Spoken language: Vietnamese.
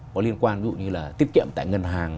có liên quan như là tiết kiệm tại ngân hàng